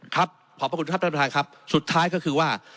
ขอบพระคุณครับท่านประธานครับสุดท้ายก็คือว่า